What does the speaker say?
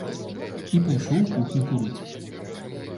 І пайшоў у кухню курыць.